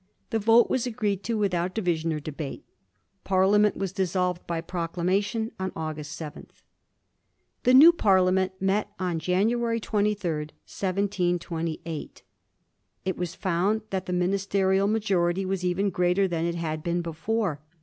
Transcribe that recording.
The vote was agreed to without division or debate. Parliament was dissolved by proclamation on August 7. The new Parliament met on January 23, 1728. It was found that the ministerial maj ority was even greater than it had been before.